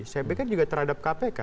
saya pikir juga terhadap kpk